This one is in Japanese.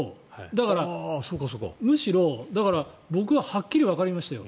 だから、むしろ僕はっきりわかりましたよ。